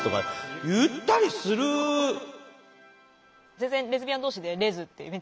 全然レズビアン同士でレズってめっちゃ言います。